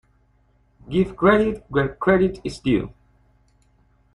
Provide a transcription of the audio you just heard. Give credit where credit is due.